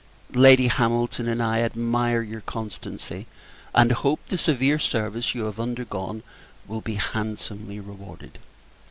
Lady Hamilton and I admire your constancy, and hope the severe service you have undergone will be handsomely rewarded.